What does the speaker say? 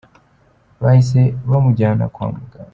Bahise bamujyana kwa muganga.